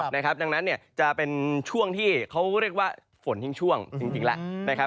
ดังนั้นจะเป็นช่วงที่เขาเรียกว่าฝนทิ้งช่วงจริงแล้วนะครับ